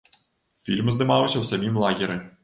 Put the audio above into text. Фільм здымаўся ў самім лагеры.